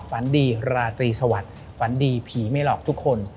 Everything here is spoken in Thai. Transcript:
ฝันดีราตรีสวัสดิ์ฝันดีผีไม่หลอกทุกคน